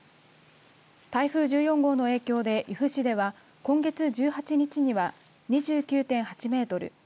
台風１４号の影響で由布市では今月１８日には２９．８メートル